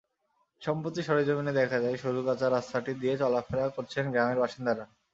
সম্প্রতি সরেজমিনে দেখা যায়, সরু কাঁচা রাস্তাটি দিয়ে চলাফেরা করছেন গ্রামের বাসিন্দারা।